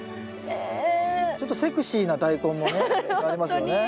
ちょっとセクシーなダイコンもね。ありますよね。